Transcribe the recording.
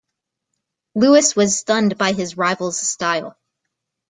Louis was stunned by his rival's style.